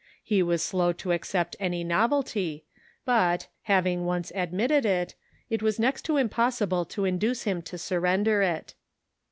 He was slow to accept any novelty, but, having once admit ted it, it was next to impossible to induce him to surrender it.